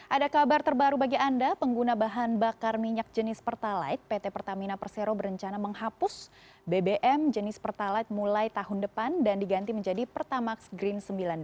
ada kabar terbaru bagi anda pengguna bahan bakar minyak jenis pertalite pt pertamina persero berencana menghapus bbm jenis pertalite mulai tahun depan dan diganti menjadi pertamax green sembilan puluh dua